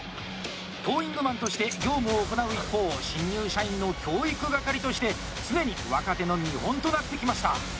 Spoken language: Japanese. トーイングマンとして業務を行う一方新入社員の教育係として常に若手の見本となってきました。